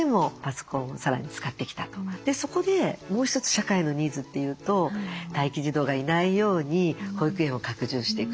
社会のニーズというと待機児童がいないように保育園を拡充していくと。